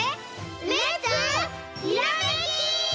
レッツひらめき！